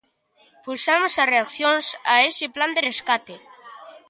Pulsamos as reaccións a ese plan de rescate.